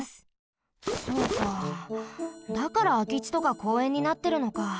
そうかだからあきちとかこうえんになってるのか。